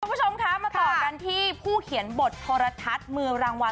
คุณผู้ชมคะมาต่อกันที่ผู้เขียนบทโทรทัศน์มือรางวัล